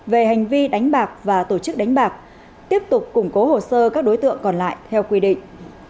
về hành vi đánh bạc và tổ chức đánh bạc tiếp tục củng cố hồ sơ các đối tượng còn lại theo quy định